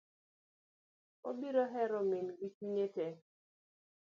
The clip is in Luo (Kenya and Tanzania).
Obiro hero min gi chunye tee.